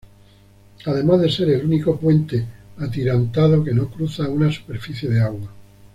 Además de ser el único puente atirantado que no cruza una superficie de agua.